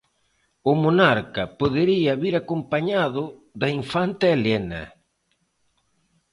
O monarca podería vir acompañado da infanta Elena.